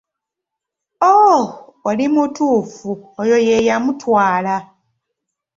Oh, oli mutuufu oyo ye yamutwala.